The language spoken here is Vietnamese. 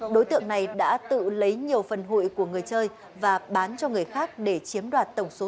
đối tượng này đã tự lấy nhiều phần hụi của người chơi và bán cho người khác để chiếm đoạt tổng số